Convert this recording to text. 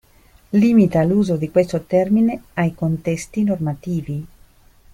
Limita l'uso di questo termine ai contesti normativi.